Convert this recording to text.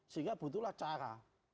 sehingga butuhlah cara